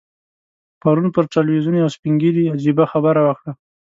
پرون پر ټلویزیون یو سپین ږیري عجیبه خبره وکړه.